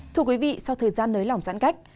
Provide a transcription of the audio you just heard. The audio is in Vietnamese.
thưa quý vị sau thời gian nới lỏng giãn cách